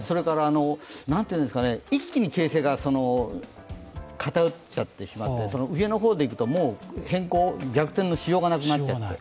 一気に形勢が偏ってしまって上のほうでいくともう逆転のしようがなくなっちゃって。